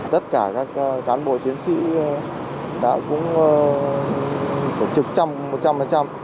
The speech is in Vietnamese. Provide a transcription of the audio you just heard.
tất cả các cán bộ chiến sĩ đã cũng trực trăm một trăm linh